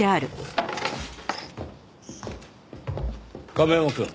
亀山くん。